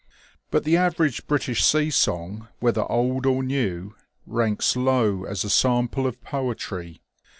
But the average British sea song, whether old or new, ranks low as a sample of poetry.